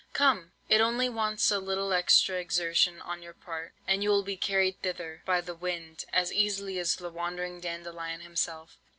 Come! it only wants a little extra exertion on your part, and you will be carried thither by the wind, as easily as the wandering Dandelion himself.